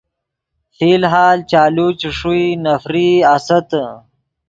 فی الحال چالو چے ݰوئی نفرئی آستّے۔